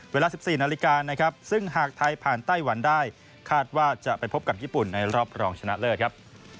เวลา๑๔นาฬิกานะครับซึ่งหากไทยผ่านไต้หวันได้คาดว่าจะไปพบกับญี่ปุ่นในรอบรองชนะเลิศครับ